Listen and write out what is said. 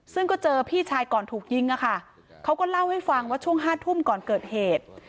ซึ่งก็เจอพี่ชายก่อนถูกยิงอะค่ะเขาก็เล่าให้ฟังว่าช่วง๕ทุ่มก่อนเกิดเหตุ